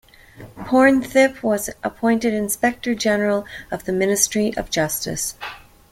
Pornthip was appointed Inspector General of the Ministry of Justice.